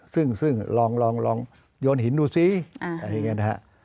ซึ่งลองโยนหินดูซิอย่างนี้นะครับ